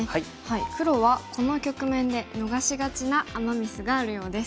黒はこの局面で逃しがちなアマ・ミスがあるようです。